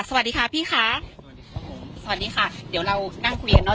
สวัสดีค่ะพี่ค่ะสวัสดีค่ะเดี๋ยวเรานั่งคุยกันเนอะ